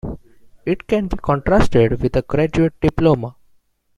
It can be contrasted with a graduate diploma.